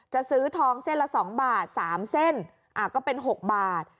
ซื้อทองเส้นละ๒บาท๓เส้นก็เป็น๖บาท